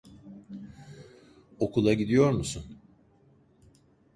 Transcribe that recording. Okula gidiyor musun?